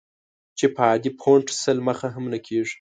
چې په عادي فونټ سل مخه هم نه کېږي.